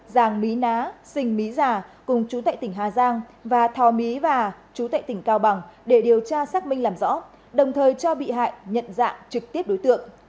giàng mí ná sình mí già cùng chú tệ tỉnh hà giang và thò mí và chú tệ tỉnh cao bằng để điều tra xác minh làm rõ đồng thời cho bị hại nhận dạng trực tiếp đối tượng